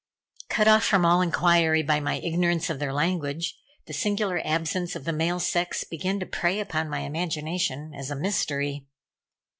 Cut off from all inquiry by my ignorance of their language, the singular absence of the male sex began to prey upon my imagination as a mystery.